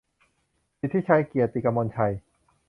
สิทธิชัย เกียรติกมลชัย